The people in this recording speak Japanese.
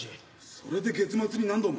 それで月末に何度も。